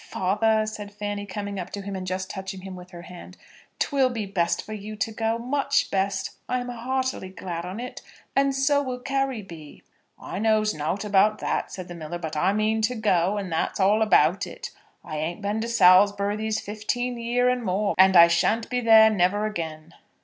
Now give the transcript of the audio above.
"Father," said Fanny, coming up to him, and just touching him with her hand; "'twill be best for you to go, much best. I am heartily glad on it, and so will Carry be." "I knows nowt about that," said the miller; "but I mean to go, and that's all about it. I ain't a been to Salsbry these fifteen year and more, and I shan't be there never again."